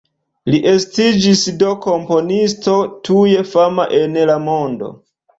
Li estiĝis do komponisto tuj fama en la mondo.